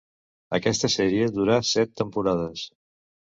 Aquesta sèrie durà set temporades.